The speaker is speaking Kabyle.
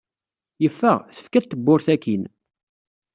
Yeffeɣ, tefka-t tewwurt akkin.